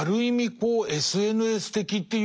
こうＳＮＳ的っていうか。